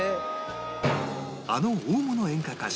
あの大物演歌歌手